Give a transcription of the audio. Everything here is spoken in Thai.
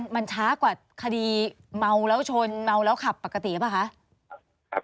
มันช้ากว่าคดีเมาแล้วชนเมาแล้วขับปกติหรือเปล่าคะ